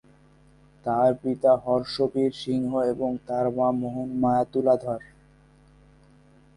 তার পিতা হর্ষ বীর সিংহ এবং তার মা মোহন মায়া তুলাধর।